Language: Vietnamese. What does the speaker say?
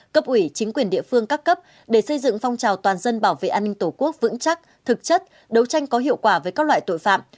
cấp ủy chính quyền địa phương các cấp để xây dựng phong trào toàn dân bảo vệ an ninh tổ quốc vững chắc thực chất đấu tranh có hiệu quả với các loại tội phạm